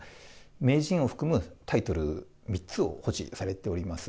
名人を含むタイトル３つを保持されております。